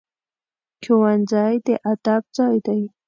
ښوونځی د ادب ځای دی